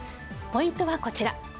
ポイントはこちら。